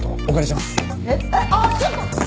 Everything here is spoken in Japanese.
あっちょっと！